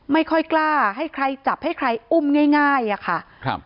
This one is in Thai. ไม่ค่อยกล้าให้ใครจับให้ใครอุ้มง่ายอะค่ะครับ